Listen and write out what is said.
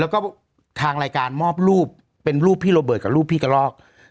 แล้วก็ทางรายการมอบรูปเป็นรูปพี่โรเบิร์ตกับรูปพี่กระลอก